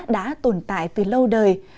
đã tồn tại từ lâu đời